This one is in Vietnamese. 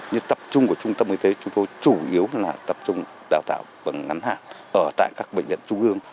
như tập trung của trung tâm y tế chúng tôi chủ yếu là tập trung đào tạo bằng ngắn hạn ở tại các bệnh viện trung ương